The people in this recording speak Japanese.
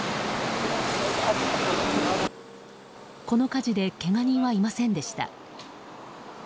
この火事でけが人はいませんでした。